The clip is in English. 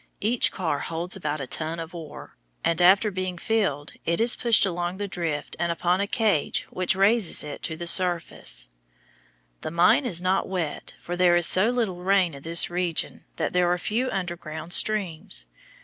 Each car holds about a ton of ore, and after being filled it is pushed along the drift and upon a cage which raises it to the surface. [Illustration: FIG. 106. HOMES OF MINERS, BISBEE, ARIZONA] The mine is not wet, for there is so little rain in this region that there are few underground streams.